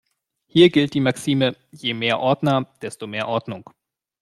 Hier gilt die Maxime: Je mehr Ordner, desto mehr Ordnung.